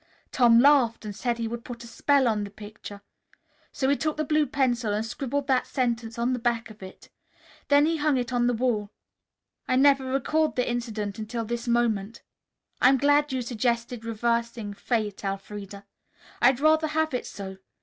Tom laughed and said he would put a spell on the picture. So he took the blue pencil and scribbled that sentence on the back of it. Then he hung it on the wall. I never recalled the incident until this moment. I'm glad you suggested reversing 'Fate,' Elfreda. I'd rather have it so.